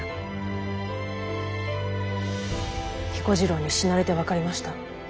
彦次郎に死なれて分かりました。